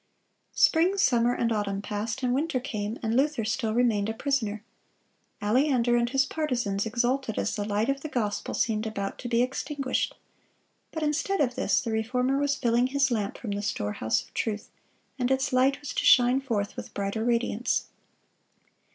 Spring, summer, and autumn passed, and winter came, and Luther still remained a prisoner. Aleander and his partisans exulted as the light of the gospel seemed about to be extinguished. But instead of this, the Reformer was filling his lamp from the storehouse of truth; and its light was to shine forth with brighter radiance.